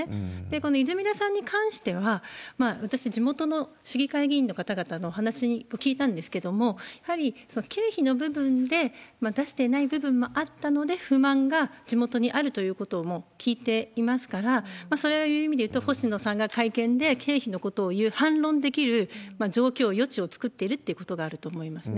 この泉田さんに関しては、私、地元の市議会議員の方々の話聞いたんですけれども、やはりその経費の部分で出してない部分もあったので、不満が地元にあるということも聞いていますから、そういう意味でいうと、星野さんが会見で、経費のことを言う、反論できる状況、余地を作ってるということがあると思いますね。